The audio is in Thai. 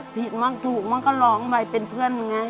ติดมากถูกมากก็ร้องไปเป็นเพื่อน